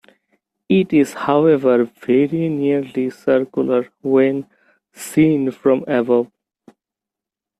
It is, however, very nearly circular when seen from above.